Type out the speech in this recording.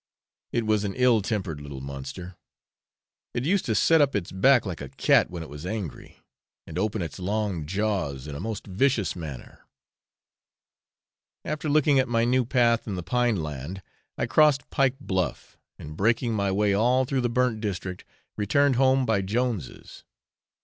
It was an ill tempered little monster; it used to set up its back like a cat when it was angry, and open its long jaws in a most vicious manner. After looking at my new path in the pine land, I crossed Pike Bluff, and breaking my way all through the burnt district, returned home by Jones's.